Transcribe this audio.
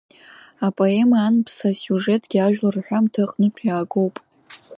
Апоема Анԥса асиужетгьы ажәлар рҳәамҭа аҟнытә иаагоуп.